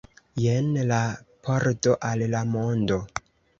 Jen la pordo al la mondo.